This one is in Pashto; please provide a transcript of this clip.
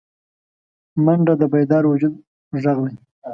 منډه د بیدار وجود غږ دی